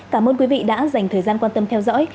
cảm ơn quý vị đã dành thời gian quan tâm theo dõi